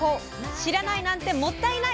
知らないなんてもったいない。